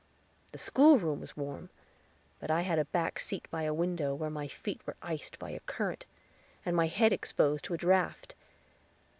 The school room was warm; but I had a back seat by a window, where my feet were iced by a current, and my head exposed to a draught.